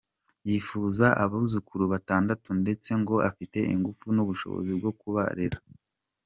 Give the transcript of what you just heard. Yifuza abuzukuru batandatu ndetse ngo afite ingufu n’ubushobozi bwo kubarera.